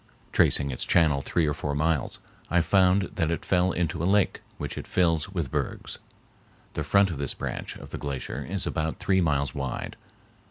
Tracing its channel three or four miles, I found that it fell into a lake, which it fills with bergs. The front of this branch of the glacier is about three miles wide.